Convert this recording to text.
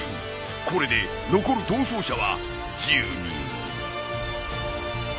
これで残る逃走者は１０人。